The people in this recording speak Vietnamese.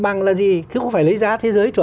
bằng là gì chứ không phải lấy giá thế giới cho